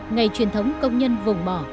ngày truyền thống công nhân vùng mỏ